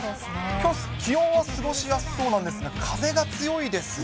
きょう、気温は過ごしやすそうなんですが、風が強いですね。